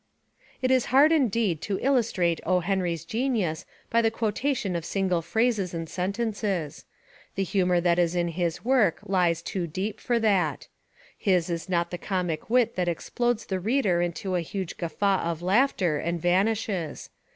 It is hard indeed to illustrate O. Henry's genius by the quotation of single phrases and sentences. The humour that is in his work lies too deep for that. His is not the comic wit that explodes the reader into a huge guffaw of laughter and vanishes.